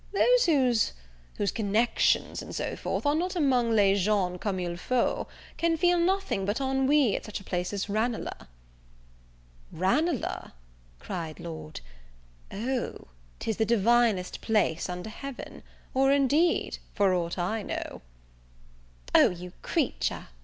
Those whose whose connections, and so forth, are not among les gens comme il faut, can feel nothing but ennui at such a place as Ranelagh." "Ranelagh!" cried Lord , "O, tis the divinest place under heaven, or, indeed, for aught I know " "O you creature!"